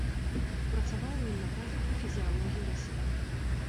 Працаваў у ім на кафедры фізіялогіі раслін.